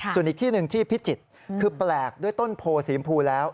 ส่วนอีกที่หนึ่งที่พิจิตรคือแปลกด้วยต้นโพสีชมพูแล้ว